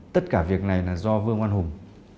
tất cả việc này là do vương văn hùng